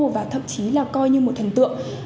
và thậm chí là coi như một thần tượng